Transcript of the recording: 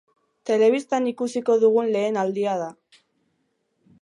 Telebistan ikusiko dugun lehen aldia da.